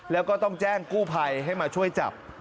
แล้วก็ต้องแจ้งกู้ภัยให้มาช่วยจับ